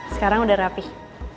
sekarang udah rapih